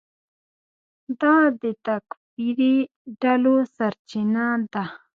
دا د تکفیري ډلو سرچینه ده.